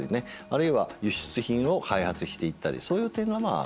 あるいは輸出品を開発していったりそういう点がまあ